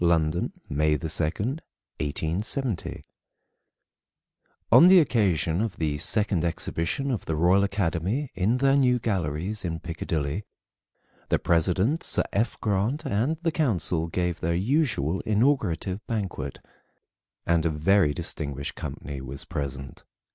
LONDON, MAY 2, 1870. [On the occasion of the Second Exhibition of the Royal Academy in their new galleries in Piccadilly, the President, Sir F. Grant, and the council gave their usual inaugurative banquet, and a very distinguished company was present.